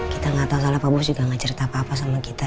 kita nggak tahu salah pak bos juga gak cerita apa apa sama kita